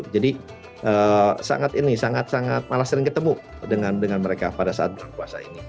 jadi sangat ini sangat sangat malah sering ketemu dengan mereka pada saat bulan puasa ini